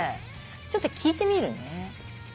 ちょっと聞いてみるね。